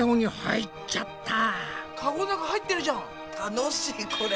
楽しいこれ。